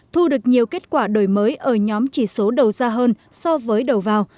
thu được nhiều kết quả đổi mới ở nhóm chỉ số đầu ra hơn so với đầu vào